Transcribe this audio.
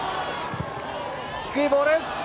低いボールっと。